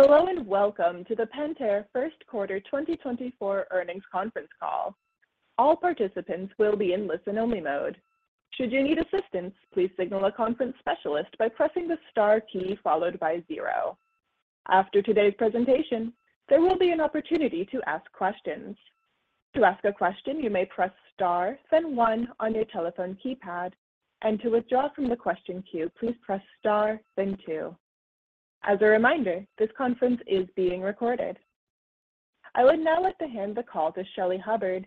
Hello and welcome to the Pentair first quarter 2024 earnings conference call. All participants will be in listen-only mode. Should you need assistance, please signal a conference specialist by pressing the star key followed by 0. After today's presentation, there will be an opportunity to ask questions. To ask a question, you may press star, then 1 on your telephone keypad, and to withdraw from the question queue, please press star, then 2. As a reminder, this conference is being recorded. I would now like to hand the call to Shelly Hubbard,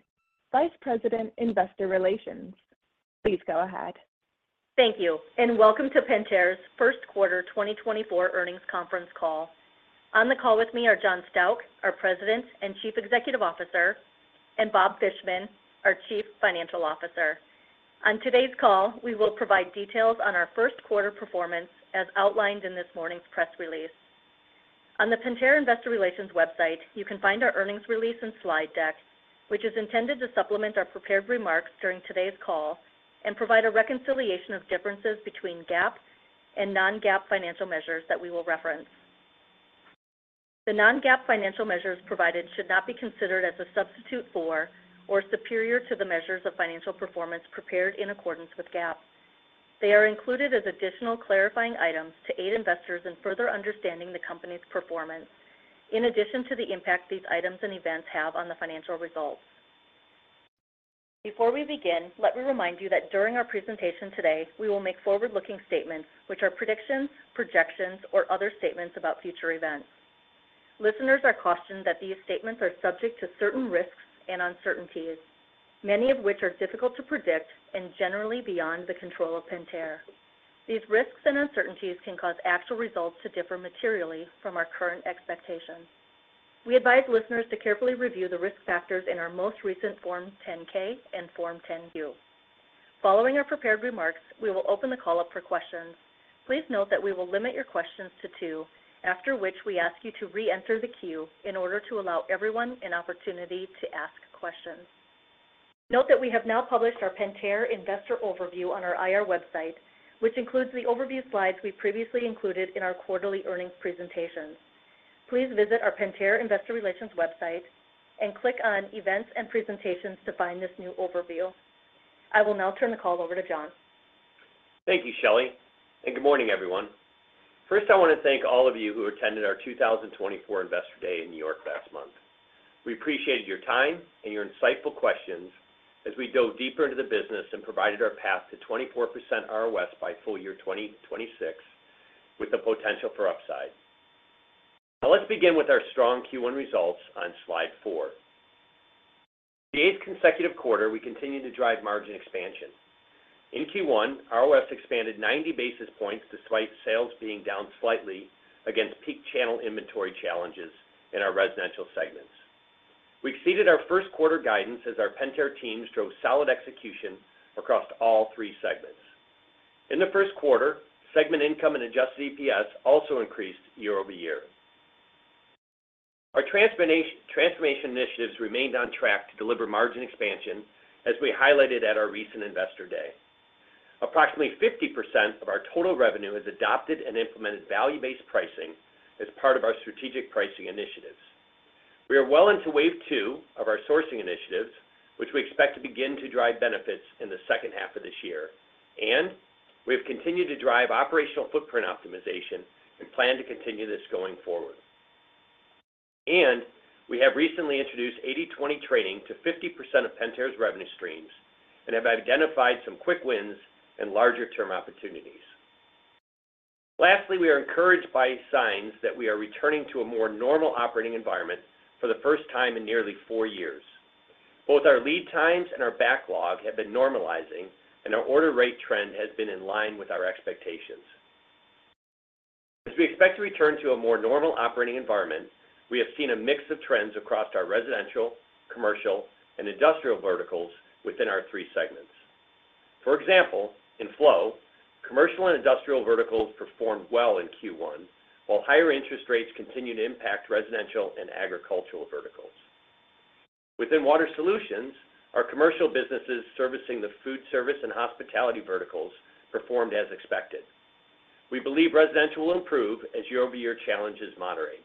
Vice President Investor Relations. Please go ahead. Thank you, and welcome to Pentair's first quarter 2024 earnings conference call. On the call with me are John Stauch, our President and Chief Executive Officer, and Bob Fishman, our Chief Financial Officer. On today's call, we will provide details on our first quarter performance as outlined in this morning's press release. On the Pentair Investor Relations website, you can find our earnings release and slide deck, which is intended to supplement our prepared remarks during today's call and provide a reconciliation of differences between GAAP and non-GAAP financial measures that we will reference. The non-GAAP financial measures provided should not be considered as a substitute for or superior to the measures of financial performance prepared in accordance with GAAP. They are included as additional clarifying items to aid investors in further understanding the company's performance, in addition to the impact these items and events have on the financial results. Before we begin, let me remind you that during our presentation today, we will make forward-looking statements, which are predictions, projections, or other statements about future events. Listeners are cautioned that these statements are subject to certain risks and uncertainties, many of which are difficult to predict and generally beyond the control of Pentair. These risks and uncertainties can cause actual results to differ materially from our current expectations. We advise listeners to carefully review the risk factors in our most recent Form 10-K and Form 10-Q. Following our prepared remarks, we will open the call up for questions. Please note that we will limit your questions to two, after which we ask you to re-enter the queue in order to allow everyone an opportunity to ask questions. Note that we have now published our Pentair Investor Overview on our IR website, which includes the overview slides we previously included in our quarterly earnings presentation. Please visit our Pentair Investor Relations website and click on Events and Presentations to find this new overview. I will now turn the call over to John. Thank you, Shelly, and good morning, everyone. First, I want to thank all of you who attended our 2024 Investor Day in New York last month. We appreciated your time and your insightful questions as we dove deeper into the business and provided our path to 24% ROS by full year 2026 with the potential for upside. Now, let's begin with our strong Q1 results on slide 4. The eighth consecutive quarter, we continue to drive margin expansion. In Q1, ROS expanded 90 basis points despite sales being down slightly against peak channel inventory challenges in our residential segments. We exceeded our first quarter guidance as our Pentair teams drove solid execution across all three segments. In the first quarter, segment income and adjusted EPS also increased year-over-year. Our transformation initiatives remained on track to deliver margin expansion, as we highlighted at our recent Investor Day. Approximately 50% of our total revenue has adopted and implemented value-based pricing as part of our strategic pricing initiatives. We are well into wave two of our sourcing initiatives, which we expect to begin to drive benefits in the second half of this year, and we have continued to drive operational footprint optimization and plan to continue this going forward. We have recently introduced 80/20 training to 50% of Pentair's revenue streams and have identified some quick wins and larger-term opportunities. Lastly, we are encouraged by signs that we are returning to a more normal operating environment for the first time in nearly four years. Both our lead times and our backlog have been normalizing, and our order rate trend has been in line with our expectations. As we expect to return to a more normal operating environment, we have seen a mix of trends across our residential, commercial, and industrial verticals within our three segments. For example, in flow, commercial and industrial verticals performed well in Q1, while higher interest rates continue to impact residential and agricultural verticals. Within water solutions, our commercial businesses servicing the food service and hospitality verticals performed as expected. We believe residential will improve as year-over-year challenges moderate.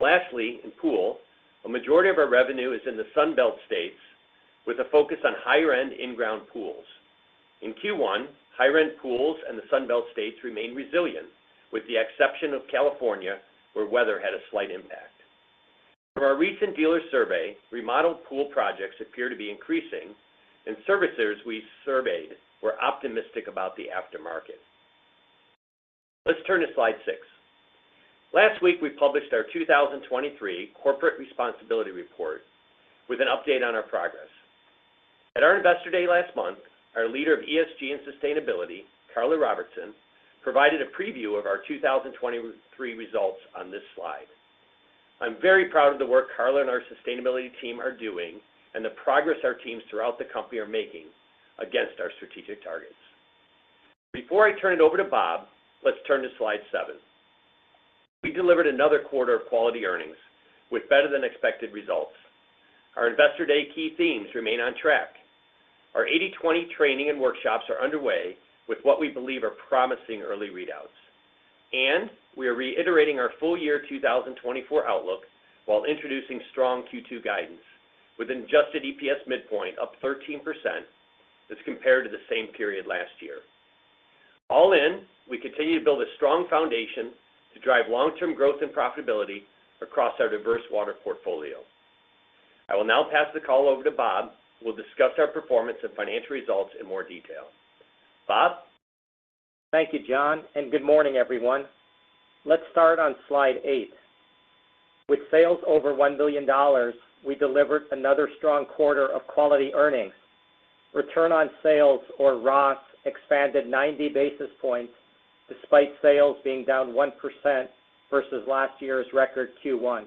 Lastly, in pool, a majority of our revenue is in the Sunbelt states with a focus on higher-end in-ground pools. In Q1, higher-end pools and the Sunbelt states remained resilient, with the exception of California where weather had a slight impact. From our recent dealer survey, remodeled pool projects appear to be increasing, and servicers we surveyed were optimistic about the aftermarket. Let's turn to slide 6. Last week, we published our 2023 Corporate Responsibility Report with an update on our progress. At our Investor Day last month, our Leader of ESG and Sustainability, Karla Robertson, provided a preview of our 2023 results on this slide. I'm very proud of the work Karla and our sustainability team are doing and the progress our teams throughout the company are making against our strategic targets. Before I turn it over to Bob, let's turn to slide 7. We delivered another quarter of quality earnings with better-than-expected results. Our Investor Day key themes remain on track. Our 80/20 training and workshops are underway with what we believe are promising early readouts, and we are reiterating our full year 2024 outlook while introducing strong Q2 guidance with adjusted EPS midpoint up 13% as compared to the same period last year. All in, we continue to build a strong foundation to drive long-term growth and profitability across our diverse water portfolio. I will now pass the call over to Bob, who will discuss our performance and financial results in more detail. Bob? Thank you, John, and good morning, everyone. Let's start on slide 8. With sales over $1 billion, we delivered another strong quarter of quality earnings. Return on sales, or ROS, expanded 90 basis points despite sales being down 1% versus last year's record Q1.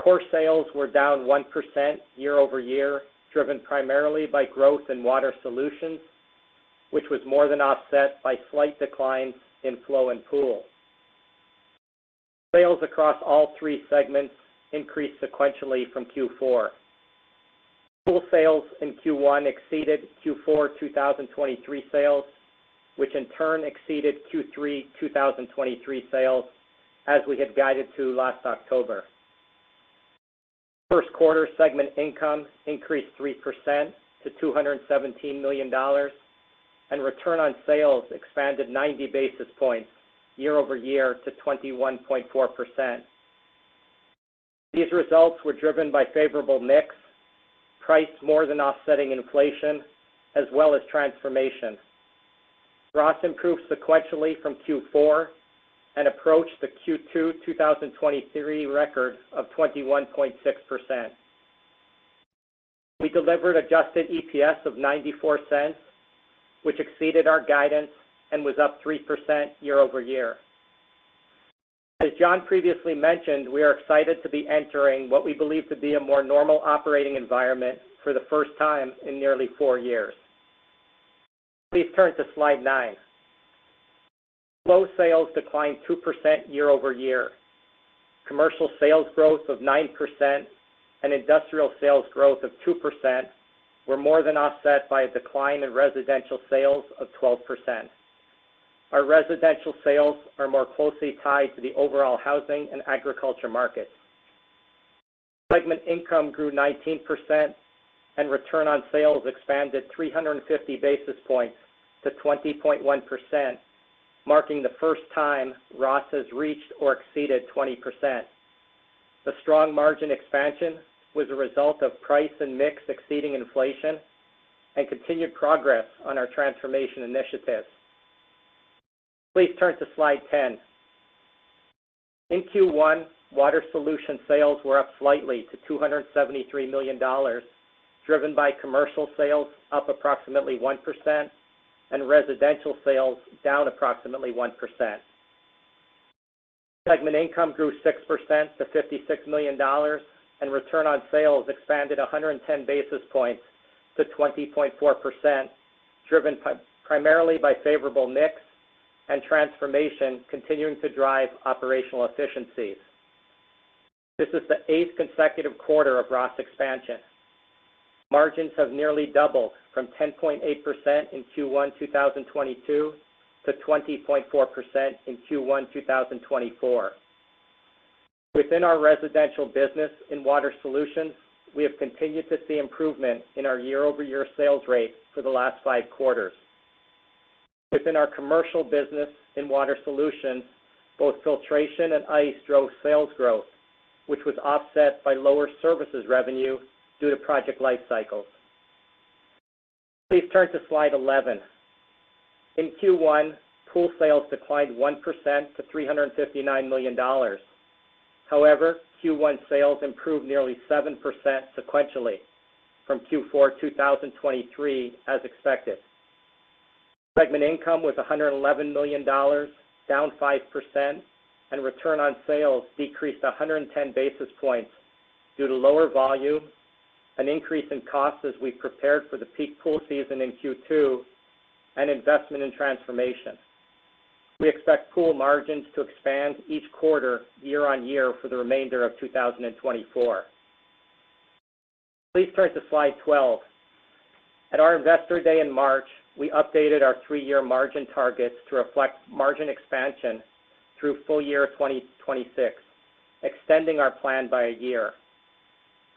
Core sales were down 1% year over year, driven primarily by growth in water solutions, which was more than offset by slight declines in flow and pool. Sales across all three segments increased sequentially from Q4. Pool sales in Q1 exceeded Q4 2023 sales, which in turn exceeded Q3 2023 sales as we had guided to last October. First quarter segment income increased 3% to $217 million, and return on sales expanded 90 basis points year over year to 21.4%. These results were driven by favorable mix, price more than offsetting inflation, as well as transformation. ROS improved sequentially from Q4 and approached the Q2 2023 record of 21.6%. We delivered adjusted EPS of 0.94, which exceeded our guidance and was up 3% year-over-year. As John previously mentioned, we are excited to be entering what we believe to be a more normal operating environment for the first time in nearly 4 years. Please turn to slide 9. Flow sales declined 2% year-over-year. Commercial sales growth of 9% and industrial sales growth of 2% were more than offset by a decline in residential sales of 12%. Our residential sales are more closely tied to the overall housing and agriculture markets. Segment income grew 19%, and return on sales expanded 350 basis points to 20.1%, marking the first time ROS has reached or exceeded 20%. The strong margin expansion was a result of price and mix exceeding inflation and continued progress on our transformation initiatives. Please turn to slide 10. In Q1, water solution sales were up slightly to $273 million, driven by commercial sales up approximately 1% and residential sales down approximately 1%. Segment income grew 6% to $56 million, and return on sales expanded 110 basis points to 20.4%, driven primarily by favorable mix and transformation continuing to drive operational efficiencies. This is the eighth consecutive quarter of ROS expansion. Margins have nearly doubled from 10.8% in Q1 2022 to 20.4% in Q1 2024. Within our residential business in water solutions, we have continued to see improvement in our year-over-year sales rate for the last five quarters. Within our commercial business in water solutions, both filtration and ice drove sales growth, which was offset by lower services revenue due to project life cycles. Please turn to slide 11. In Q1, pool sales declined 1% to $359 million. However, Q1 sales improved nearly 7% sequentially from Q4 2023 as expected. Segment income was $111 million, down 5%, and return on sales decreased 110 basis points due to lower volume, an increase in costs as we prepared for the peak pool season in Q2, and investment in transformation. We expect pool margins to expand each quarter year-over-year for the remainder of 2024. Please turn to slide 12. At our Investor Day in March, we updated our three-year margin targets to reflect margin expansion through full year 2026, extending our plan by a year.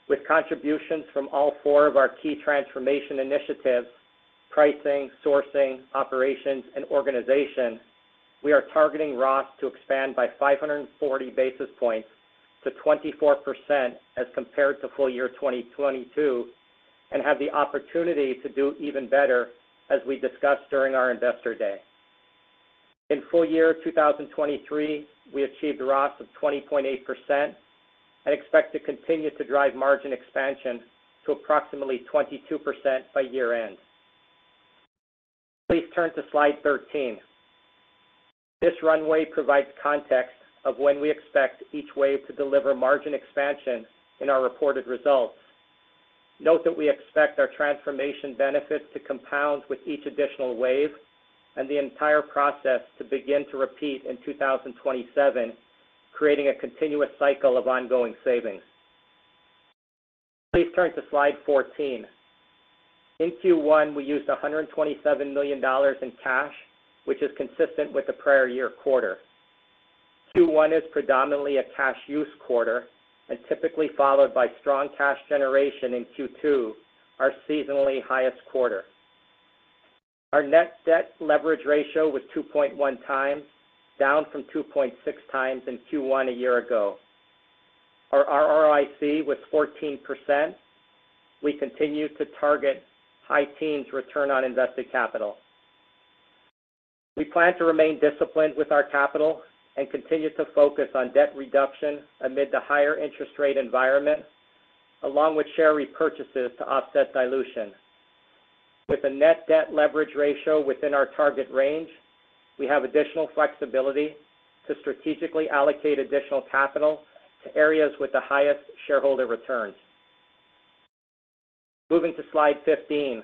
With contributions from all four of our key transformation initiatives, pricing, sourcing, operations, and organization, we are targeting ROS to expand by 540 basis points to 24% as compared to full year 2022 and have the opportunity to do even better as we discussed during our Investor Day. In full year 2023, we achieved ROS of 20.8% and expect to continue to drive margin expansion to approximately 22% by year-end. Please turn to slide 13. This runway provides context of when we expect each wave to deliver margin expansion in our reported results. Note that we expect our transformation benefits to compound with each additional wave and the entire process to begin to repeat in 2027, creating a continuous cycle of ongoing savings. Please turn to slide 14. In Q1, we used $127 million in cash, which is consistent with the prior year quarter. Q1 is predominantly a cash-use quarter and typically followed by strong cash generation in Q2, our seasonally highest quarter. Our net debt leverage ratio was 2.1 times, down from 2.6 times in Q1 a year ago. Our ROIC was 14%. We continue to target high teens return on invested capital. We plan to remain disciplined with our capital and continue to focus on debt reduction amid the higher interest rate environment, along with share repurchases to offset dilution. With a net debt leverage ratio within our target range, we have additional flexibility to strategically allocate additional capital to areas with the highest shareholder returns. Moving to slide 15.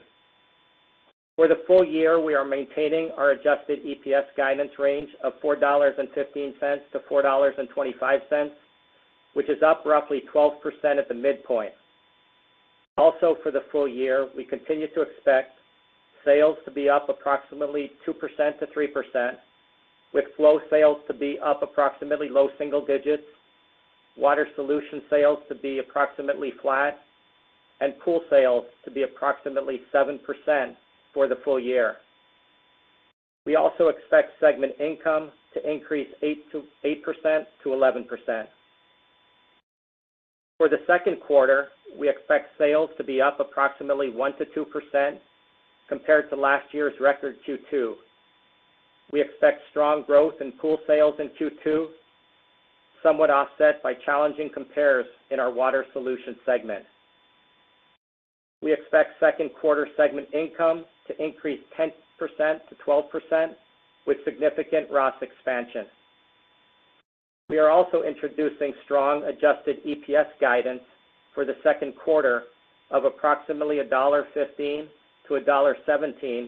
For the full year, we are maintaining our adjusted EPS guidance range of $4.15-$4.25, which is up roughly 12% at the midpoint. Also, for the full year, we continue to expect sales to be up approximately 2%-3%, with flow sales to be up approximately low single digits, water solution sales to be approximately flat, and pool sales to be approximately 7% for the full year. We also expect segment income to increase 8%-11%. For the second quarter, we expect sales to be up approximately 1%-2% compared to last year's record Q2. We expect strong growth in pool sales in Q2, somewhat offset by challenging compares in our water solution segment. We expect second quarter segment income to increase 10%-12% with significant ROS expansion. We are also introducing strong adjusted EPS guidance for the second quarter of approximately $1.15-$1.17,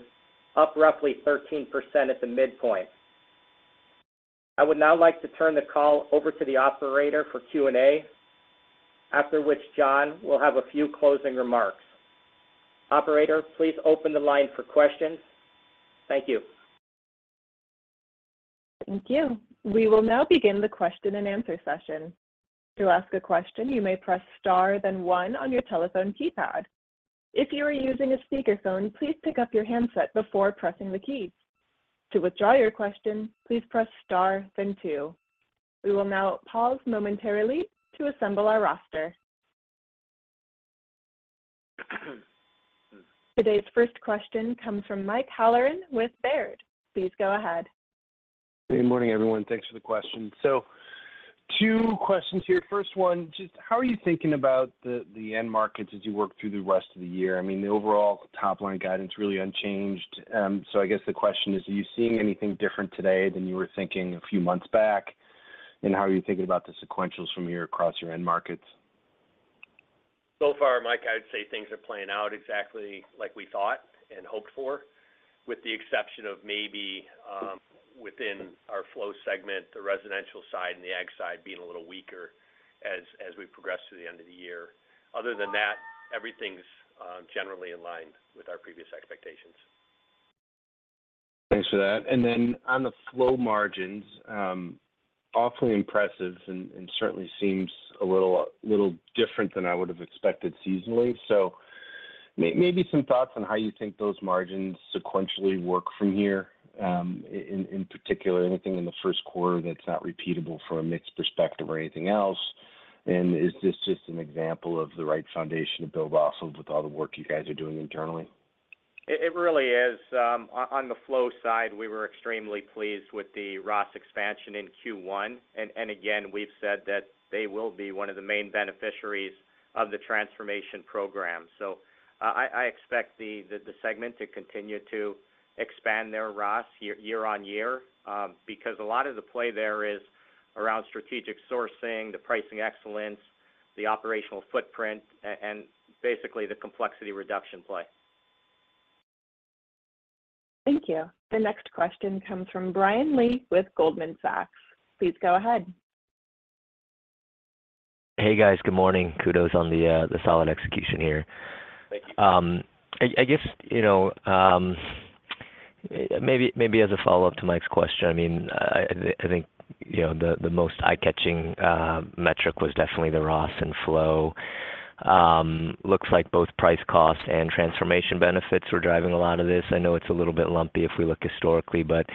up roughly 13% at the midpoint. I would now like to turn the call over to the operator for Q&A, after which John will have a few closing remarks. Operator, please open the line for questions. Thank you. Thank you. We will now begin the question and answer session. To ask a question, you may press star then 1 on your telephone keypad. If you are using a speakerphone, please pick up your handset before pressing the keys. To withdraw your question, please press star then 2. We will now pause momentarily to assemble our roster. Today's first question comes from Mike Halloran with Baird. Please go ahead. Good morning, everyone. Thanks for the question. So two questions here. First one, just how are you thinking about the end markets as you work through the rest of the year? I mean, the overall top-line guidance is really unchanged. So I guess the question is, are you seeing anything different today than you were thinking a few months back? And how are you thinking about the sequentials from here across your end markets? So far, Mike, I would say things are playing out exactly like we thought and hoped for, with the exception of maybe within our flow segment, the residential side and the ag side being a little weaker as we progress through the end of the year. Other than that, everything's generally in line with our previous expectations. Thanks for that. Then on the flow margins, awfully impressive and certainly seems a little different than I would have expected seasonally. So maybe some thoughts on how you think those margins sequentially work from here in particular, anything in the first quarter that's not repeatable from a mixed perspective or anything else? Is this just an example of the right foundation to build off of with all the work you guys are doing internally? It really is. On the flow side, we were extremely pleased with the ROS expansion in Q1. And again, we've said that they will be one of the main beneficiaries of the transformation program. So I expect the segment to continue to expand their ROS year on year because a lot of the play there is around strategic sourcing, the pricing excellence, the operational footprint, and basically the complexity reduction play. Thank you. The next question comes from Brian Lee with Goldman Sachs. Please go ahead. Hey, guys. Good morning. Kudos on the solid execution here. Thank you. I guess maybe as a follow-up to Mike's question, I mean, I think the most eye-catching metric was definitely the ROS and flow. Looks like both price cost and transformation benefits were driving a lot of this. I know it's a little bit lumpy if we look historically, but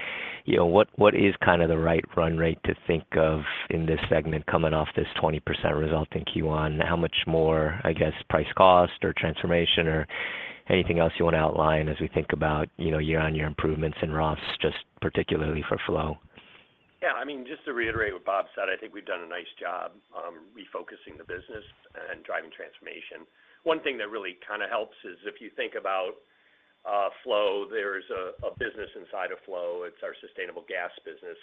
what is kind of the right run rate to think of in this segment coming off this 20% result in Q1? How much more, I guess, price cost or transformation or anything else you want to outline as we think about year-on-year improvements in ROS, just particularly for flow? Yeah. I mean, just to reiterate what Bob said, I think we've done a nice job refocusing the business and driving transformation. One thing that really kind of helps is if you think about flow, there's a business inside of flow. It's our sustainable gas business,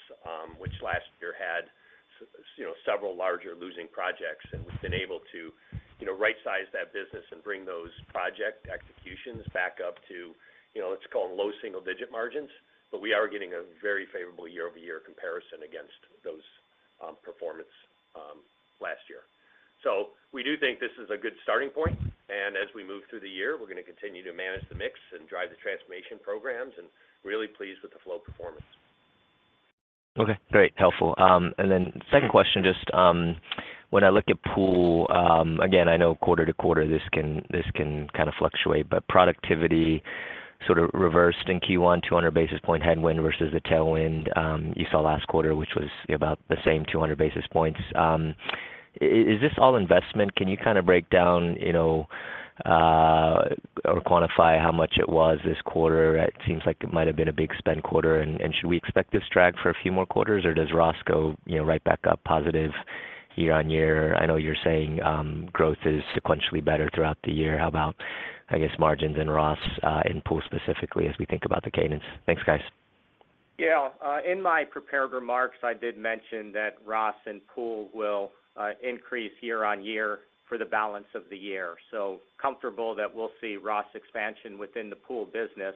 which last year had several larger losing projects. And we've been able to right-size that business and bring those project executions back up to, let's call them, low single-digit margins. But we are getting a very favorable year-over-year comparison against those performance last year. So we do think this is a good starting point. And as we move through the year, we're going to continue to manage the mix and drive the transformation programs. And really pleased with the flow performance. Okay. Great. Helpful. And then second question, just when I look at pool again, I know quarter to quarter, this can kind of fluctuate, but productivity sort of reversed in Q1, 200 basis point headwind versus the tailwind you saw last quarter, which was about the same, 200 basis points. Is this all investment? Can you kind of break down or quantify how much it was this quarter? It seems like it might have been a big spend quarter. And should we expect this to drag for a few more quarters, or does ROS go right back up positive year-on-year? I know you're saying growth is sequentially better throughout the year. How about, I guess, margins and ROS in pool specifically as we think about the cadence? Thanks, guys. Yeah. In my prepared remarks, I did mention that ROS and pool will increase year-on-year for the balance of the year. So comfortable that we'll see ROS expansion within the pool business.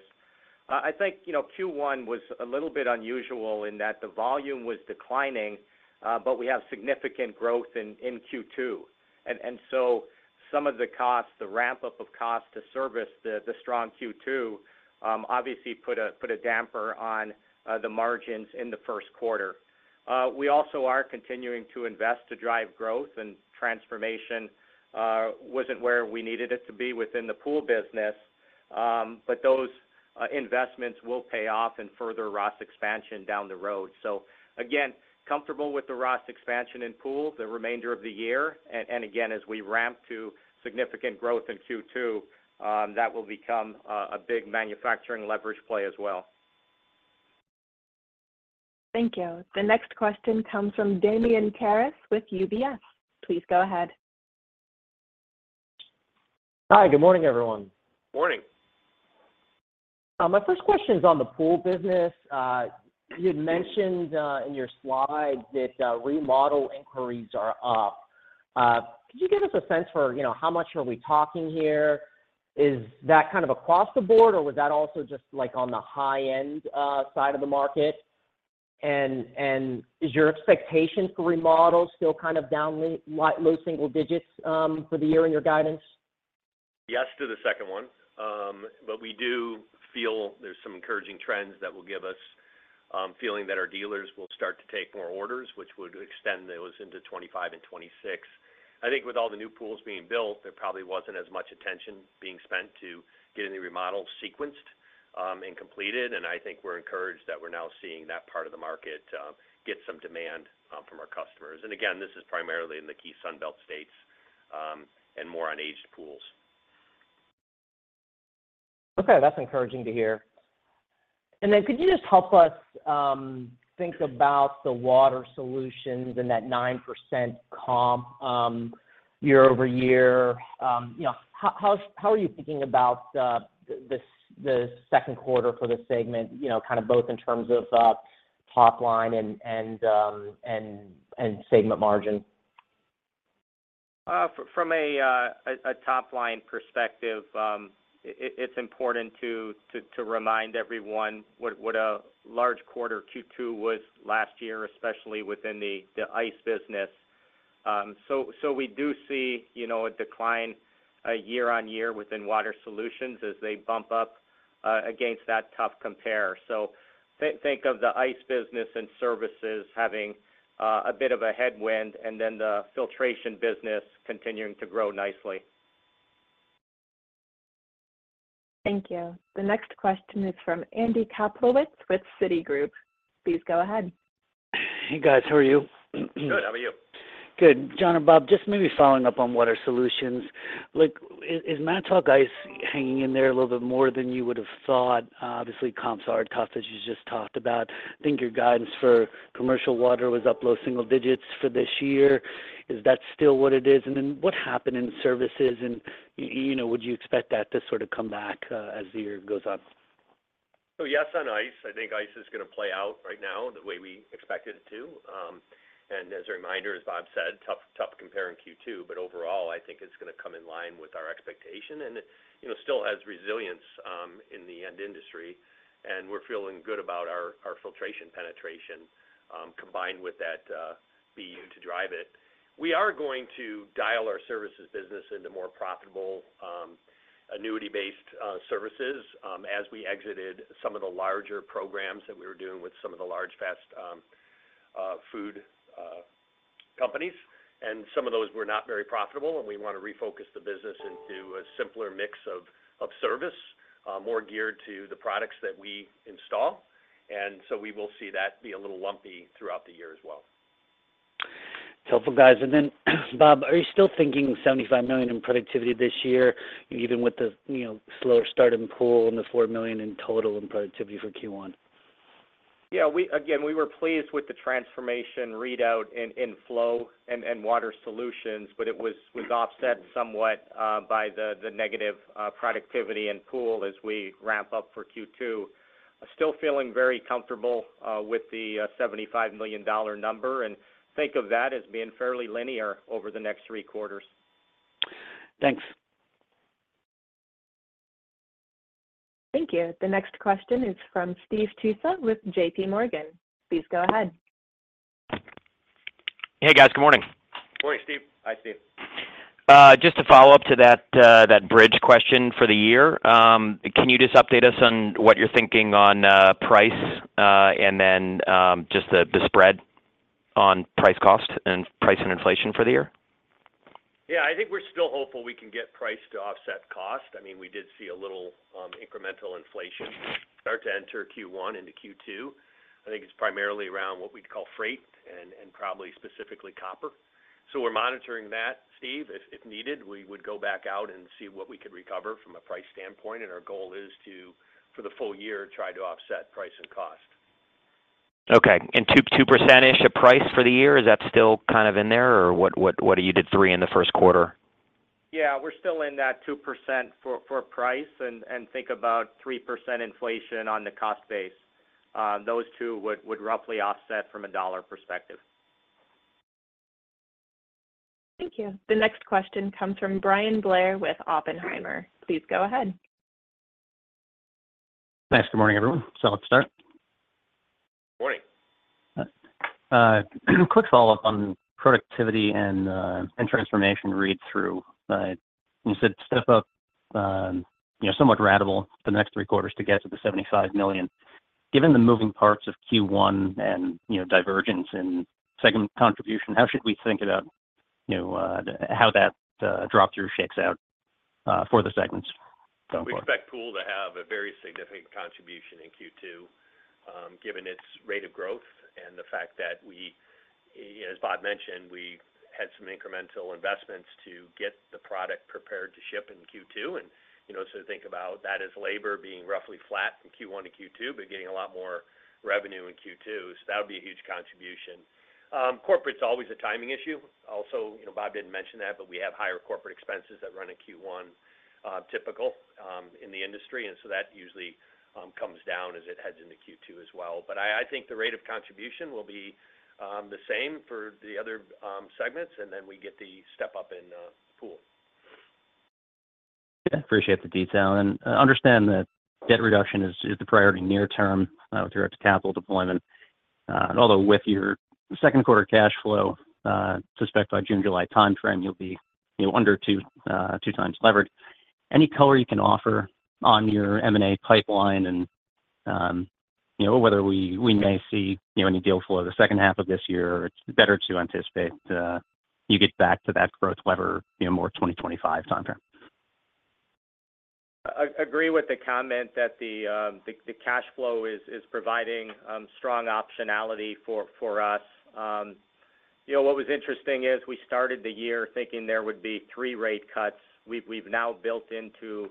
I think Q1 was a little bit unusual in that the volume was declining, but we have significant growth in Q2. And so some of the costs, the ramp-up of cost to service the strong Q2, obviously put a damper on the margins in the first quarter. We also are continuing to invest to drive growth. And transformation wasn't where we needed it to be within the pool business. But those investments will pay off and further ROS expansion down the road. So again, comfortable with the ROS expansion in pool the remainder of the year. And again, as we ramp to significant growth in Q2, that will become a big manufacturing leverage play as well. Thank you. The next question comes from Damian Karas with UBS. Please go ahead. Hi. Good morning, everyone. Morning. My first question is on the pool business. You had mentioned in your slides that remodel inquiries are up. Could you give us a sense for how much are we talking here? Is that kind of across the board, or was that also just on the high-end side of the market? Is your expectation for remodel still kind of down low single digits for the year in your guidance? Yes to the second one. But we do feel there's some encouraging trends that will give us feeling that our dealers will start to take more orders, which would extend those into 2025 and 2026. I think with all the new pools being built, there probably wasn't as much attention being spent to getting the remodels sequenced and completed. And I think we're encouraged that we're now seeing that part of the market get some demand from our customers. And again, this is primarily in the key Sunbelt states and more on aged pools. Okay. That's encouraging to hear. And then could you just help us think about the water solutions and that 9% comp year-over-year? How are you thinking about the second quarter for the segment, kind of both in terms of top-line and segment margin? From a top-line perspective, it's important to remind everyone what a large quarter Q2 was last year, especially within the ice business. So we do see a decline year-over-year within water solutions as they bump up against that tough compare. So think of the ice business and services having a bit of a headwind and then the filtration business continuing to grow nicely. Thank you. The next question is from Andy Kaplowitz with Citigroup. Please go ahead. Hey, guys. How are you? Good. How about you? Good. John and Bob, just maybe following up on water solutions. Is Manitowoc Ice hanging in there a little bit more than you would have thought? Obviously, comps are tough, as you just talked about. I think your guidance for commercial water was up low single digits for this year. Is that still what it is? And then what happened in services? And would you expect that to sort of come back as the year goes on? So yes on ice. I think ice is going to play out right now the way we expected it to. And as a reminder, as Bob said, tough compare in Q2. But overall, I think it's going to come in line with our expectation and still has resilience in the end industry. And we're feeling good about our filtration penetration combined with that BU to drive it. We are going to dial our services business into more profitable annuity-based services as we exited some of the larger programs that we were doing with some of the large fast food companies. And some of those were not very profitable. And we want to refocus the business into a simpler mix of service more geared to the products that we install. And so we will see that be a little lumpy throughout the year as well. It's helpful, guys. And then, Bob, are you still thinking $75 million in productivity this year, even with the slower start in pool and the $4 million in total in productivity for Q1? Yeah. Again, we were pleased with the transformation readout in flow and water solutions, but it was offset somewhat by the negative productivity in pool as we ramp up for Q2. Still feeling very comfortable with the $75 million number. And think of that as being fairly linear over the next three quarters. Thanks. Thank you. The next question is from Steve Tusa with J.P. Morgan. Please go ahead. Hey, guys. Good morning. Morning, Steve. Hi, Steve. Just a follow-up to that bridge question for the year. Can you just update us on what you're thinking on price and then just the spread on price cost and price and inflation for the year? Yeah. I think we're still hopeful we can get price to offset cost. I mean, we did see a little incremental inflation start to enter Q1 into Q2. I think it's primarily around what we'd call freight and probably specifically copper. So we're monitoring that, Steve. If needed, we would go back out and see what we could recover from a price standpoint. And our goal is to, for the full year, try to offset price and cost. Okay. 2%-ish of price for the year? Is that still kind of in there, or what do you did 3 in the first quarter? Yeah. We're still in that 2% for price. Think about 3% inflation on the cost base. Those two would roughly offset from a dollar perspective. Thank you. The next question comes from Bryan Blair with Oppenheimer. Please go ahead. Thanks. Good morning, everyone. Self-start. Morning. Quick follow-up on productivity and transformation read-through. You said step up somewhat radical for the next three quarters to get to the $75 million. Given the moving parts of Q1 and divergence in segment contribution, how should we think about how that drop-through shakes out for the segments going forward? We expect pool to have a very significant contribution in Q2 given its rate of growth and the fact that we, as Bob mentioned, we had some incremental investments to get the product prepared to ship in Q2. So think about that as labor being roughly flat in Q1 and Q2 but getting a lot more revenue in Q2. That would be a huge contribution. Corporate's always a timing issue. Also, Bob didn't mention that, but we have higher corporate expenses that run in Q1 typical in the industry. So that usually comes down as it heads into Q2 as well. But I think the rate of contribution will be the same for the other segments. Then we get the step up in pool. Yeah. Appreciate the detail. Understand that debt reduction is the priority near-term with regard to capital deployment. Although with your second-quarter cash flow expected by June, July timeframe, you'll be under 2x leverage. Any color you can offer on your M&A pipeline and whether we may see any deal flow the second half of this year, or is it better to anticipate you get back to that growth lever more 2025 timeframe. Agree with the comment that the cash flow is providing strong optionality for us. What was interesting is we started the year thinking there would be 3 rate cuts. We've now built into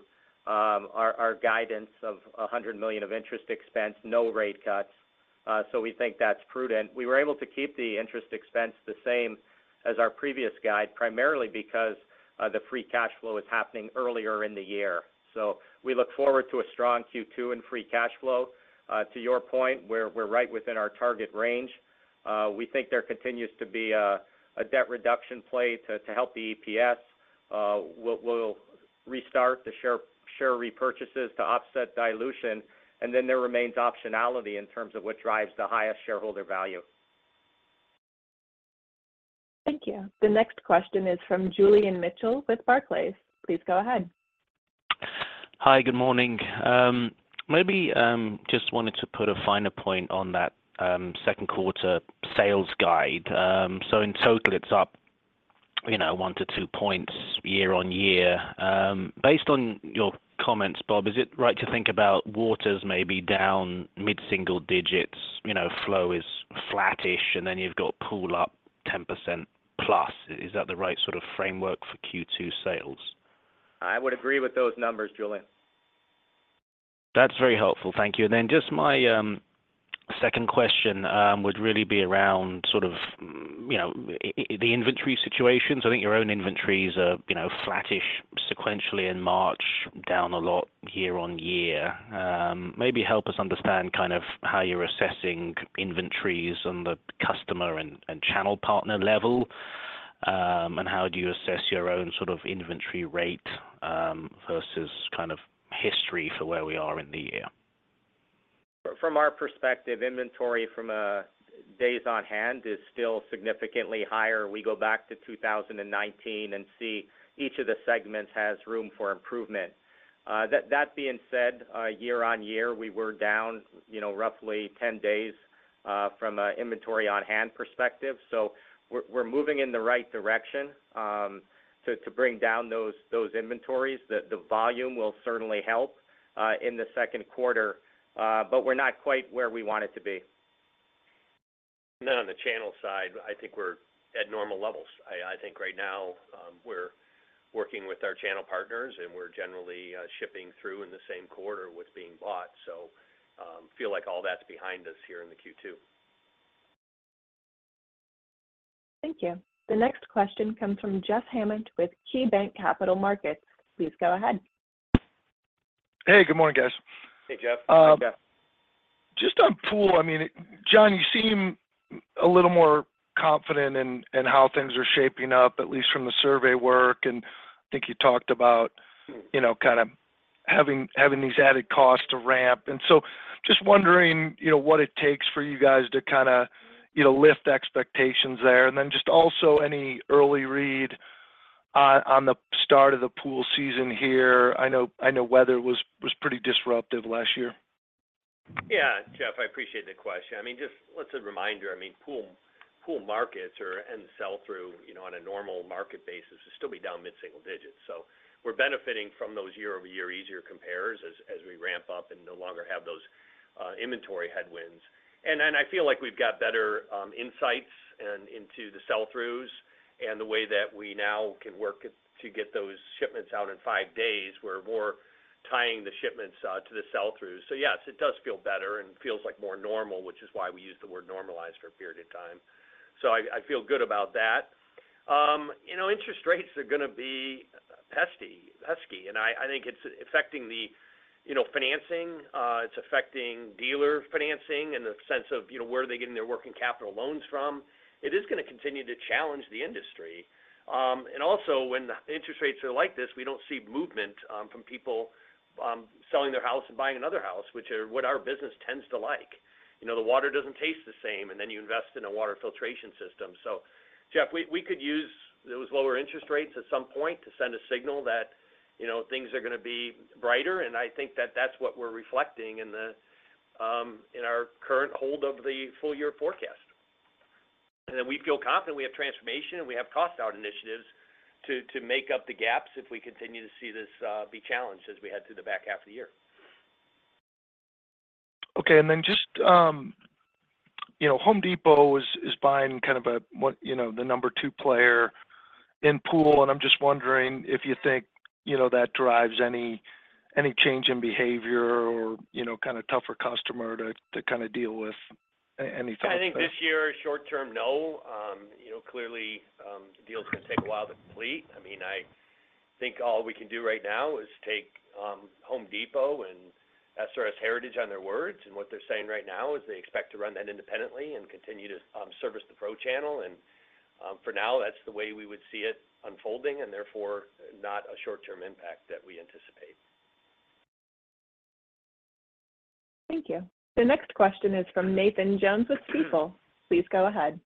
our guidance of $100 million of interest expense, no rate cuts. So we think that's prudent. We were able to keep the interest expense the same as our previous guide, primarily because the free cash flow is happening earlier in the year. So we look forward to a strong Q2 and free cash flow. To your point, we're right within our target range. We think there continues to be a debt reduction play to help the EPS. We'll restart the share repurchases to offset dilution. And then there remains optionality in terms of what drives the highest shareholder value. Thank you. The next question is from Julian Mitchell with Barclays. Please go ahead. Hi. Good morning. Maybe just wanted to put a finer point on that second-quarter sales guide. So in total, it's up 1-2 points year-over-year. Based on your comments, Bob, is it right to think about waters maybe down mid-single digits, flow is flattish, and then you've got pool up 10%+? Is that the right sort of framework for Q2 sales? I would agree with those numbers, Julian. That's very helpful. Thank you. And then just my second question would really be around sort of the inventory situation. So I think your own inventories are flattish sequentially in March, down a lot year on year. Maybe help us understand kind of how you're assessing inventories on the customer and channel partner level. And how do you assess your own sort of inventory rate versus kind of history for where we are in the year? From our perspective, inventory from days on hand is still significantly higher. We go back to 2019 and see each of the segments has room for improvement. That being said, year-on-year, we were down roughly 10 days from an inventory on hand perspective. So we're moving in the right direction to bring down those inventories. The volume will certainly help in the second quarter, but we're not quite where we want it to be. And then on the channel side, I think we're at normal levels. I think right now, we're working with our channel partners, and we're generally shipping through in the same quarter what's being bought. So feel like all that's behind us here in the Q2. Thank you. The next question comes from Jeff Hammond with KeyBanc Capital Markets. Please go ahead. Hey. Good morning, guys. Hey, Jeff. Just on pool, I mean, John, you seem a little more confident in how things are shaping up, at least from the survey work. And I think you talked about kind of having these added costs to ramp. And so just wondering what it takes for you guys to kind of lift expectations there. And then just also any early read on the start of the pool season here. I know weather was pretty disruptive last year. Yeah, Jeff. I appreciate the question. I mean, just let's say a reminder. I mean, pool markets and sell-through on a normal market basis would still be down mid-single digits. So we're benefiting from those year-over-year easier compares as we ramp up and no longer have those inventory headwinds. And then I feel like we've got better insights into the sell-throughs and the way that we now can work to get those shipments out in five days. We're more tying the shipments to the sell-throughs. So yes, it does feel better and feels like more normal, which is why we use the word normalized for a period of time. So I feel good about that. Interest rates, they're going to be pesky. And I think it's affecting the financing. It's affecting dealer financing in the sense of where are they getting their working capital loans from? It is going to continue to challenge the industry. And also, when interest rates are like this, we don't see movement from people selling their house and buying another house, which are what our business tends to like. The water doesn't taste the same, and then you invest in a water filtration system. So, Jeff, we could use those lower interest rates at some point to send a signal that things are going to be brighter. And I think that that's what we're reflecting in our current hold of the full-year forecast. And then we feel confident we have transformation, and we have cost-out initiatives to make up the gaps if we continue to see this be challenged as we head through the back half of the year. Okay. And then just Home Depot is buying kind of the number two player in pool. And I'm just wondering if you think that drives any change in behavior or kind of tougher customer to kind of deal with. Any thoughts on that? I think this year, short term, no. Clearly, deals can take a while to complete. I mean, I think all we can do right now is take Home Depot and SRS Heritage on their words. And what they're saying right now is they expect to run that independently and continue to service the pro channel. And for now, that's the way we would see it unfolding and therefore not a short-term impact that we anticipate. Thank you. The next question is from Nathan Jones with Stifel. Please go ahead.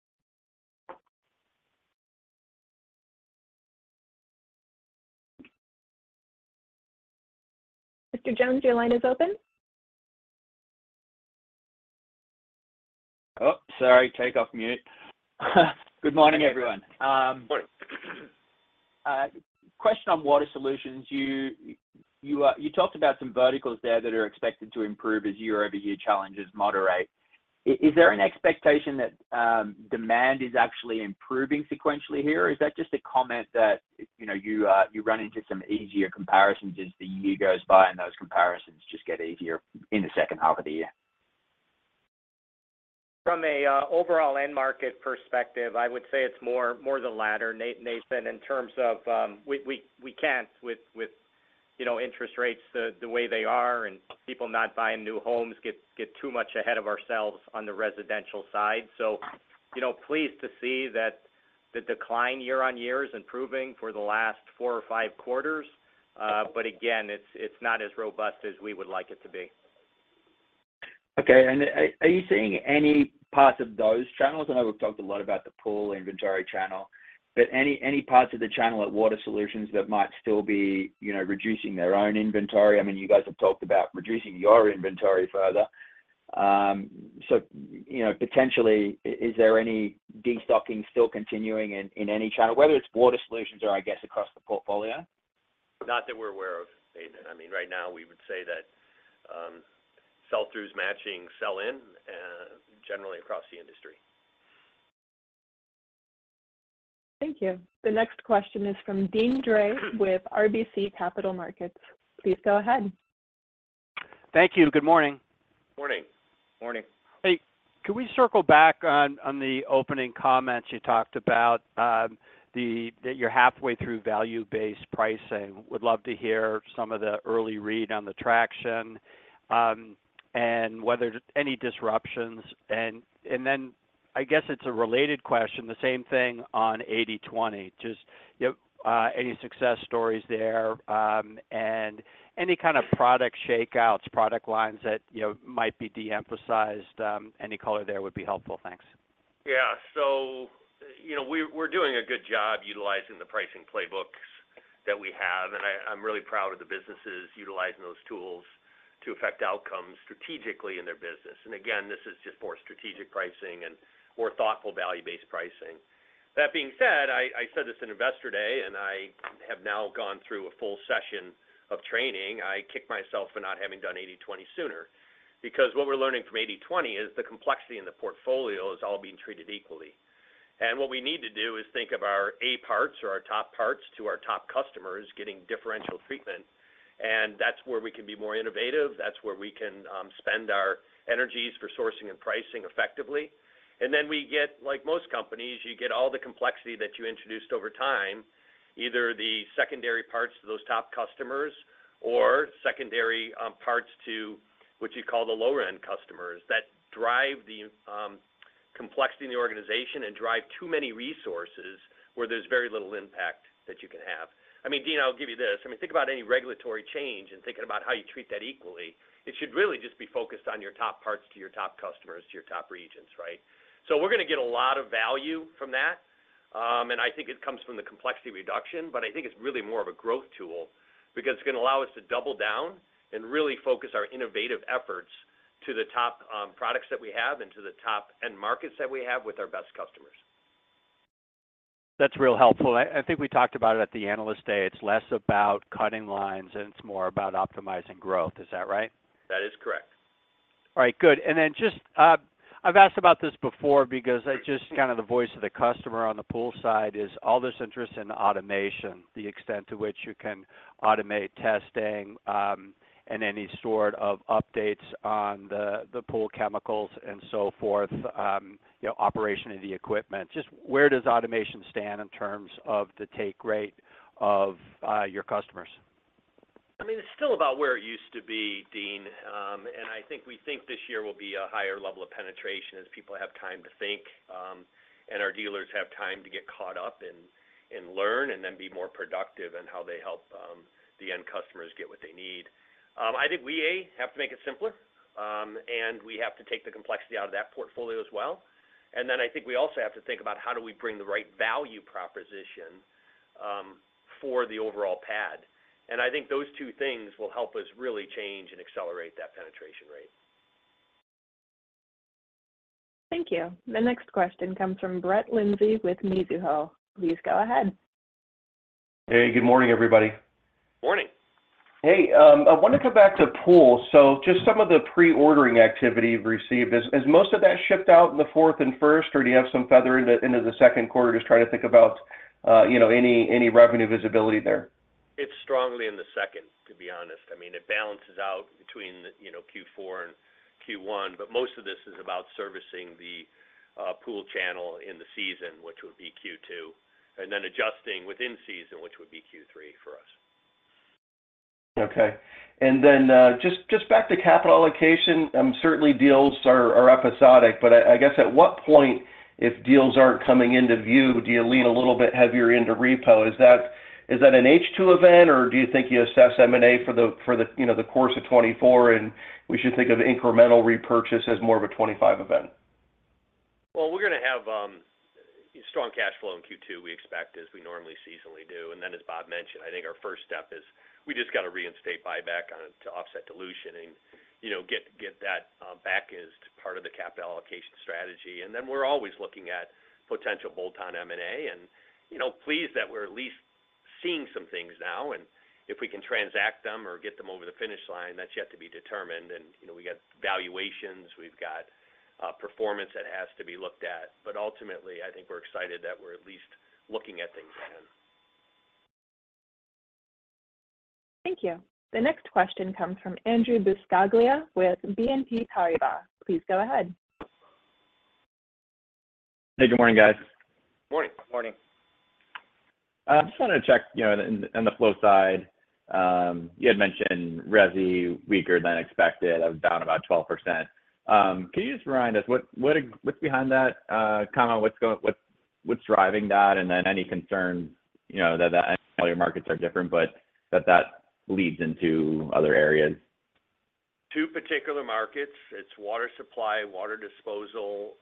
Mr. Jones, your line is open. Oops. Sorry. Take off mute. Good morning, everyone. Good morning. Question on water solutions. You talked about some verticals there that are expected to improve as year-over-year challenges moderate. Is there an expectation that demand is actually improving sequentially here, or is that just a comment that you run into some easier comparisons as the year goes by and those comparisons just get easier in the second half of the year? From an overall end market perspective, I would say it's more the latter, Nathan, in terms of we can't, with interest rates the way they are and people not buying new homes, get too much ahead of ourselves on the residential side. So pleased to see that the decline year-over-year is improving for the last four or five quarters. But again, it's not as robust as we would like it to be. Okay. Are you seeing any parts of those channels? I know we've talked a lot about the pool inventory channel, but any parts of the channel at water solutions that might still be reducing their own inventory? I mean, you guys have talked about reducing your inventory further. So potentially, is there any destocking still continuing in any channel, whether it's water solutions or, I guess, across the portfolio? Not that we're aware of, Nathan. I mean, right now, we would say that sell-through's matching sell-in generally across the industry. Thank you. The next question is from Deane Dray with RBC Capital Markets. Please go ahead. Thank you. Good morning. Morning. Morning. Hey. Can we circle back on the opening comments you talked about that you're halfway through value-based pricing? Would love to hear some of the early read on the traction and any disruptions. And then I guess it's a related question, the same thing on 80/20, just any success stories there and any kind of product shakeouts, product lines that might be deemphasized. Any color there would be helpful. Thanks. Yeah. So we're doing a good job utilizing the pricing playbooks that we have. And I'm really proud of the businesses utilizing those tools to affect outcomes strategically in their business. And again, this is just for strategic pricing and more thoughtful value-based pricing. That being said, I said this an investor day, and I have now gone through a full session of training. I kick myself for not having done 80/20 sooner because what we're learning from 80/20 is the complexity in the portfolio is all being treated equally. And what we need to do is think of our A parts or our top parts to our top customers getting differential treatment. And that's where we can be more innovative. That's where we can spend our energies for sourcing and pricing effectively. And then we get, like most companies, you get all the complexity that you introduced over time, either the secondary parts to those top customers or secondary parts to what you call the lower-end customers that drive the complexity in the organization and drive too many resources where there's very little impact that you can have. I mean, Dean, I'll give you this. I mean, think about any regulatory change and thinking about how you treat that equally. It should really just be focused on your top parts to your top customers to your top regions, right? So we're going to get a lot of value from that. And I think it comes from the complexity reduction. But I think it's really more of a growth tool because it's going to allow us to double down and really focus our innovative efforts to the top products that we have and to the top-end markets that we have with our best customers. That's real helpful. I think we talked about it at the analyst day. It's less about cutting lines, and it's more about optimizing growth. Is that right? That is correct. All right. Good. And then just I've asked about this before because just kind of the voice of the customer on the pool side is all this interest in automation, the extent to which you can automate testing and any sort of updates on the pool chemicals and so forth, operation of the equipment. Just where does automation stand in terms of the take rate of your customers? I mean, it's still about where it used to be, Dean. I think we think this year will be a higher level of penetration as people have time to think and our dealers have time to get caught up and learn and then be more productive in how they help the end customers get what they need. I think we, A, have to make it simpler, and we have to take the complexity out of that portfolio as well. Then I think we also have to think about how do we bring the right value proposition for the overall pad. I think those two things will help us really change and accelerate that penetration rate. Thank you. The next question comes from Brett Linzey with Mizuho. Please go ahead. Hey. Good morning, everybody. Morning. Hey. I want to come back to pool. So just some of the pre-ordering activity we've received. Has most of that shipped out in the fourth and first, or do you have some carryover into the second quarter just trying to think about any revenue visibility there? It's strongly in the second, to be honest. I mean, it balances out between Q4 and Q1. But most of this is about servicing the pool channel in the season, which would be Q2, and then adjusting within season, which would be Q3 for us. Okay. And then just back to capital allocation, certainly, deals are episodic. But I guess at what point, if deals aren't coming into view, do you lean a little bit heavier into repo? Is that an H2 event, or do you think you assess M&A for the course of 2024, and we should think of incremental repurchase as more of a 2025 event? Well, we're going to have strong cash flow in Q2, we expect, as we normally seasonally do. And then as Bob mentioned, I think our first step is we just got to reinstate buyback to offset dilution and get that back as part of the capital allocation strategy. And then we're always looking at potential bolt-on M&A. And pleased that we're at least seeing some things now. And if we can transact them or get them over the finish line, that's yet to be determined. And we got valuations. We've got performance that has to be looked at. But ultimately, I think we're excited that we're at least looking at things again. Thank you. The next question comes from Andrew Buscaglia with BNP Paribas. Please go ahead. Hey. Good morning, guys. Morning. Morning. I just wanted to check on the flow side. You had mentioned Resi weaker than expected. It was down about 12%. Can you just remind us what's behind that comment? What's driving that? And then any concerns that all your markets are different but that that leads into other areas? Two particular markets. It's water supply, water disposal,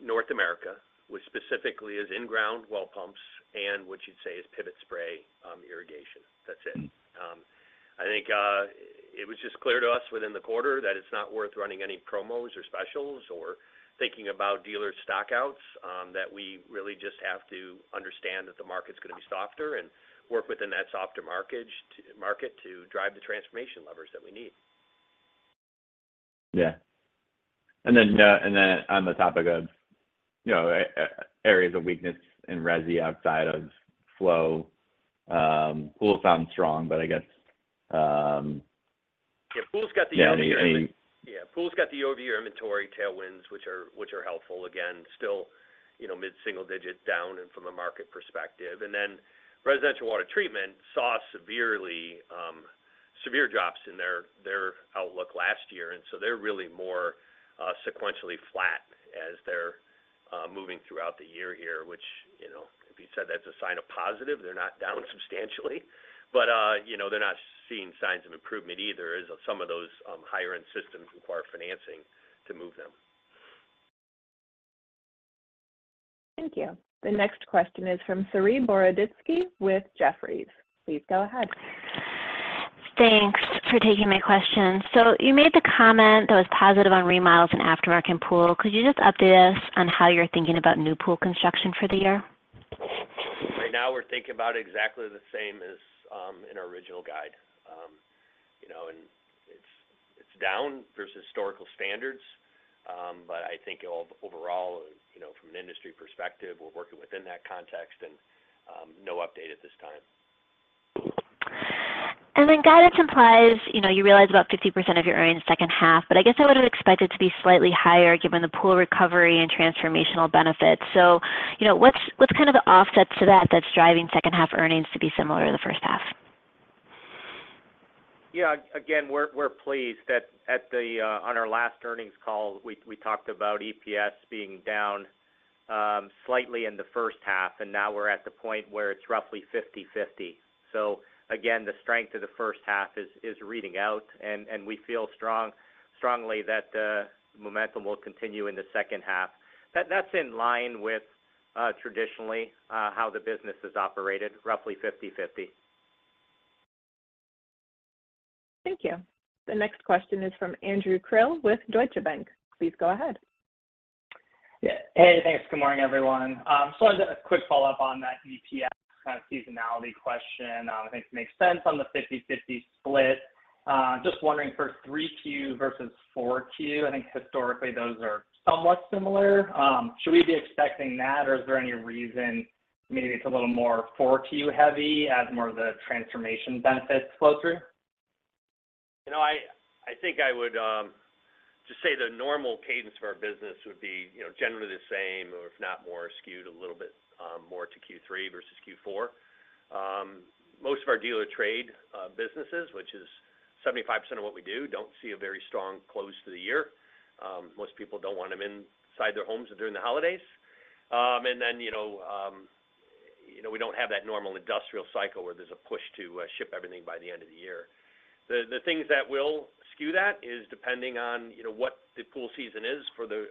North America, which specifically is in-ground well pumps and what you'd say is pivot spray irrigation. That's it. I think it was just clear to us within the quarter that it's not worth running any promos or specials or thinking about dealer stockouts, that we really just have to understand that the market's going to be softer and work within that softer market to drive the transformation levers that we need. Yeah. And then on the topic of areas of weakness in Resi outside of flow, pool sounds strong, but I guess. Yeah. Pool's got the year-over-year. Pool's got the year-over-year inventory tailwinds, which are helpful. Again, still mid-single-digit down from a market perspective. And then residential water treatment saw severe drops in their outlook last year. And so they're really more sequentially flat as they're moving throughout the year here, which if you said that's a sign of positive, they're not down substantially. But they're not seeing signs of improvement either as some of those higher-end systems require financing to move them. Thank you. The next question is from Saree Boroditsky with Jefferies. Please go ahead. Thanks for taking my question. So you made the comment that was positive on remodels and aftermarket pool. Could you just update us on how you're thinking about new pool construction for the year? Right now, we're thinking about it exactly the same as in our original guide. It's down versus historical standards. I think overall, from an industry perspective, we're working within that context, and no update at this time. And then guidance implies you realize about 50% of your earnings second half, but I guess I would have expected it to be slightly higher given the pool recovery and transformational benefits. So what's kind of the offset to that that's driving second-half earnings to be similar to the first half? Yeah. Again, we're pleased that on our last earnings call, we talked about EPS being down slightly in the first half. Now we're at the point where it's roughly 50/50. Again, the strength of the first half is reading out. We feel strongly that the momentum will continue in the second half. That's in line with traditionally how the business has operated, roughly 50/50. Thank you. The next question is from Andrew Krill with Deutsche Bank. Please go ahead. Hey. Thanks. Good morning, everyone. I had a quick follow-up on that EPS kind of seasonality question. I think it makes sense on the 50/50 split. Just wondering for 3Q versus 4Q, I think historically, those are somewhat similar. Should we be expecting that, or is there any reason maybe it's a little more 4Q-heavy as more of the transformation benefits flow through? I think I would just say the normal cadence for our business would be generally the same or if not more skewed a little bit more to Q3 versus Q4. Most of our dealer trade businesses, which is 75% of what we do, don't see a very strong close to the year. Most people don't want them inside their homes during the holidays. And then we don't have that normal industrial cycle where there's a push to ship everything by the end of the year. The things that will skew that is depending on what the pool season is for the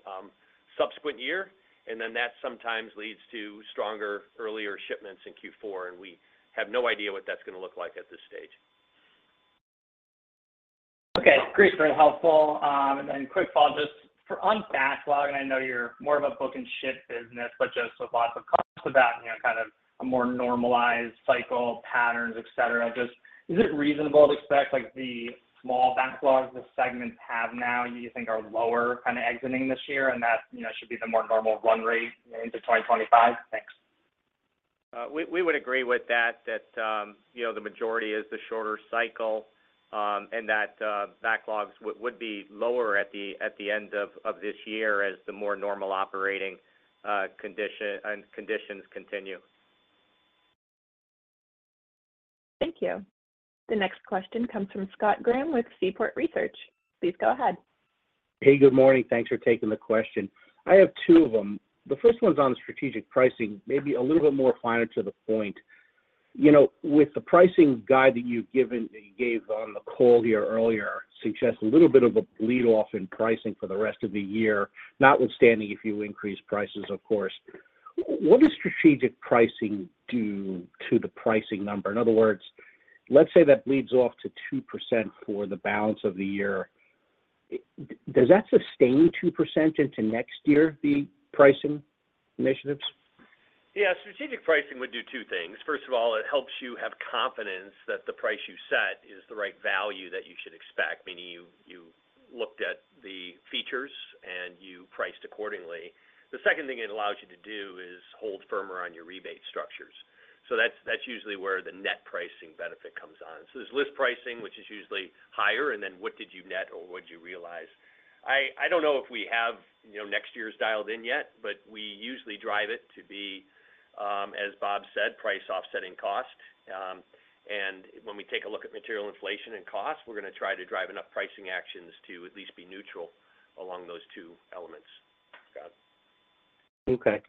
subsequent year. And then that sometimes leads to stronger, earlier shipments in Q4. And we have no idea what that's going to look like at this stage. Okay. Great. Very helpful. Then quick follow-up just on backlog. I know you're more of a book-and-ship business, but just with lots of costs about kind of a more normalized cycle patterns, etc. Just is it reasonable to expect the small backlogs the segments have now you think are lower kind of exiting this year, and that should be the more normal run rate into 2025? Thanks. We would agree with that, that the majority is the shorter cycle and that backlogs would be lower at the end of this year as the more normal operating conditions continue. Thank you. The next question comes from Scott Graham with Seaport Research. Please go ahead. Hey. Good morning. Thanks for taking the question. I have two of them. The first one's on strategic pricing, maybe a little bit more finer to the point. With the pricing guide that you gave on the call here earlier suggests a little bit of a bleed-off in pricing for the rest of the year, notwithstanding if you increase prices, of course. What does strategic pricing do to the pricing number? In other words, let's say that bleeds off to 2% for the balance of the year. Does that sustain 2% into next year, the pricing initiatives? Yeah. Strategic pricing would do two things. First of all, it helps you have confidence that the price you set is the right value that you should expect, meaning you looked at the features and you priced accordingly. The second thing it allows you to do is hold firmer on your rebate structures. So that's usually where the net pricing benefit comes on. So there's list pricing, which is usually higher. And then what did you net, or what did you realize? I don't know if we have next year's dialed in yet, but we usually drive it to be, as Bob said, price offsetting cost. And when we take a look at material inflation and cost, we're going to try to drive enough pricing actions to at least be neutral along those two elements. Got it. Okay.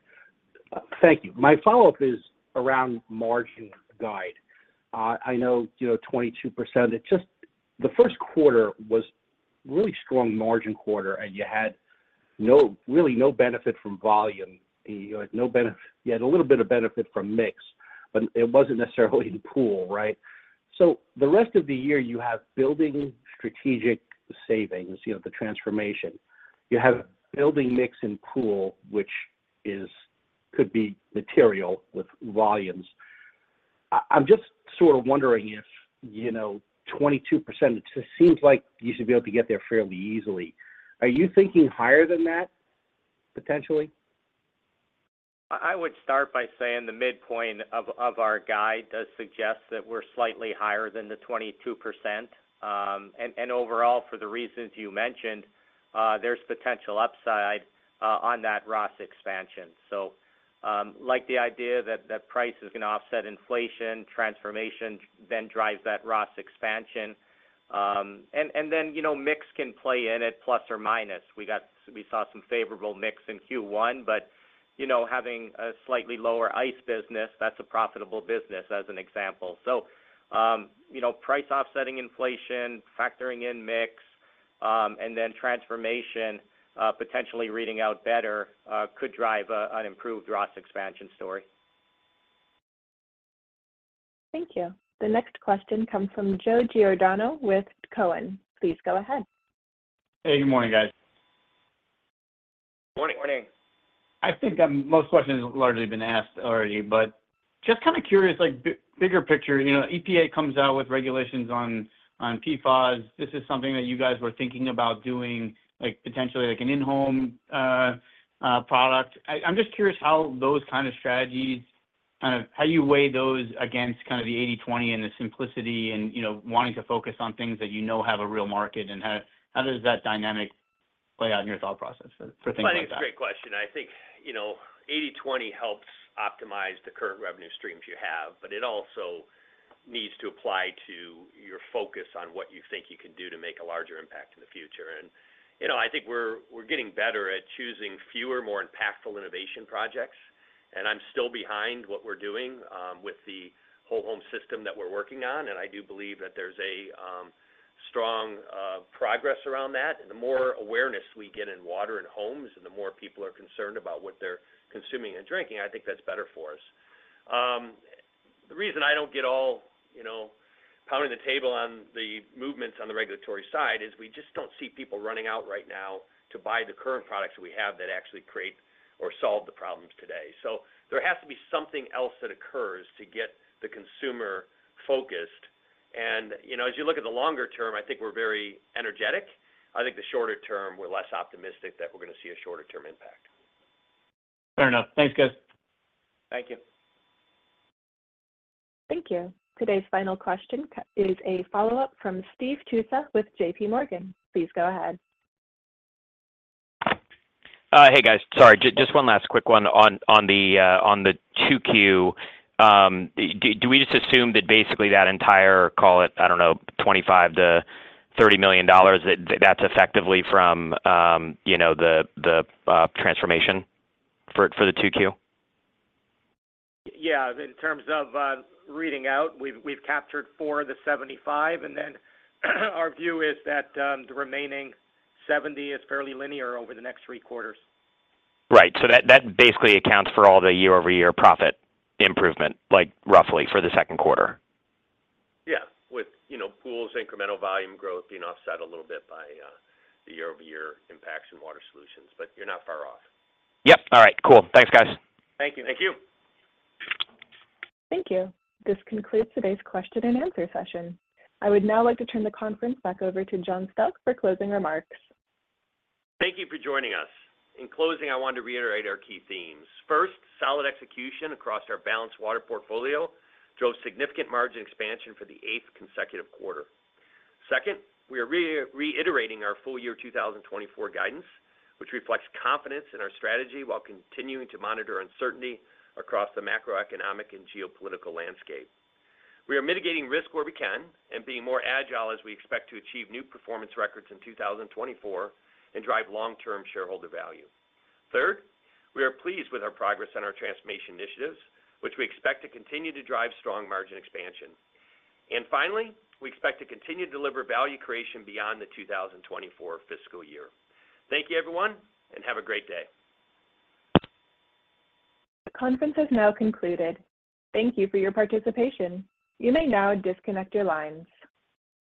Thank you. My follow-up is around margin guide. I know 22%. The first quarter was really strong margin quarter, and you had really no benefit from volume. You had a little bit of benefit from mix, but it wasn't necessarily in pool, right? So the rest of the year, you have building strategic savings, the transformation. You have building mix in pool, which could be material with volumes. I'm just sort of wondering if 22%; it seems like you should be able to get there fairly easily. Are you thinking higher than that potentially? I would start by saying the midpoint of our guide does suggest that we're slightly higher than the 22%. And overall, for the reasons you mentioned, there's potential upside on that ROS expansion. So like the idea that price is going to offset inflation, transformation then drives that ROS expansion. And then mix can play in it plus or minus. We saw some favorable mix in Q1, but having a slightly lower ice business, that's a profitable business as an example. So price offsetting inflation, factoring in mix, and then transformation potentially reading out better could drive an improved ROS expansion story. Thank you. The next question comes from Joe Giordano with Cowen. Please go ahead. Hey. Good morning, guys. Morning. Morning. I think most questions have largely been asked already, but just kind of curious, bigger picture, EPA comes out with regulations on PFAS. This is something that you guys were thinking about doing, potentially an in-home product. I'm just curious how those kind of strategies kind of how you weigh those against kind of the 80/20 and the simplicity and wanting to focus on things that you know have a real market. How does that dynamic play out in your thought process for things like that? Well, I think it's a great question. I think 80/20 helps optimize the current revenue streams you have, but it also needs to apply to your focus on what you think you can do to make a larger impact in the future. I think we're getting better at choosing fewer, more impactful innovation projects. I'm still behind what we're doing with the whole home system that we're working on. I do believe that there's a strong progress around that. The more awareness we get in water and homes and the more people are concerned about what they're consuming and drinking, I think that's better for us. The reason I don't get all pounding the table on the movements on the regulatory side is we just don't see people running out right now to buy the current products that we have that actually create or solve the problems today. So there has to be something else that occurs to get the consumer focused. As you look at the longer term, I think we're very energetic. I think the shorter term, we're less optimistic that we're going to see a shorter-term impact. Fair enough. Thanks, guys. Thank you. Thank you. Today's final question is a follow-up from Steve Tusa with J.P. Morgan. Please go ahead. Hey, guys. Sorry. Just one last quick one on the 2Q. Do we just assume that basically that entire, call it, I don't know, $25 million-$30 million, that's effectively from the transformation for the 2Q? Yeah. In terms of reading out, we've captured 4 of the 75. And then our view is that the remaining 70 is fairly linear over the next 3 quarters. Right. So that basically accounts for all the year-over-year profit improvement, roughly, for the second quarter. Yeah. With pools, incremental volume growth being offset a little bit by the year-over-year impacts in water solutions. But you're not far off. Yep. All right. Cool. Thanks, guys. Thank you. Thank you. Thank you. This concludes today's question and answer session. I would now like to turn the conference back over to John Stauch for closing remarks. Thank you for joining us. In closing, I want to reiterate our key themes. First, solid execution across our balanced water portfolio drove significant margin expansion for the eighth consecutive quarter. Second, we are reiterating our full year 2024 guidance, which reflects confidence in our strategy while continuing to monitor uncertainty across the macroeconomic and geopolitical landscape. We are mitigating risk where we can and being more agile as we expect to achieve new performance records in 2024 and drive long-term shareholder value. Third, we are pleased with our progress on our transformation initiatives, which we expect to continue to drive strong margin expansion. And finally, we expect to continue to deliver value creation beyond the 2024 fiscal year. Thank you, everyone, and have a great day. The conference has now concluded. Thank you for your participation. You may now disconnect your lines.